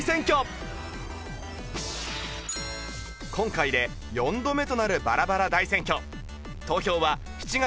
今回で４度目となるバラバラ大選挙。